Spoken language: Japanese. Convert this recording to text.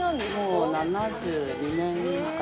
もう７２年か。